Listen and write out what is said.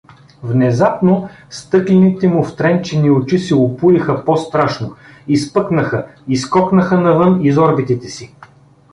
Внезапно стъклените му втренчени очи се опулиха по-страшно, изпъкнаха, изскокнаха навън из орбитите си.